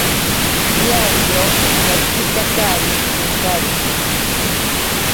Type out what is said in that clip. Kiario yatsikikari chenkariki.